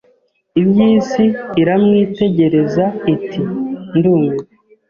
Imbyisi iramwitegereza iti ndumiwe